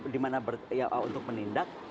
di mana untuk menindak